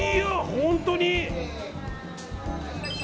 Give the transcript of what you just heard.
本当に？